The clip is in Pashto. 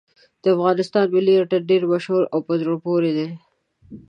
د افغانستان ملي اتڼ ډېر مشهور او په زړه پورې دی.